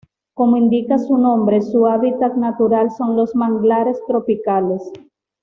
Como indica su nombre, su hábitat natural son los manglares tropicales.